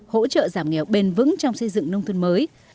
hỗ trợ giảm nghèo bền vững trong xây dựng nông thôn mới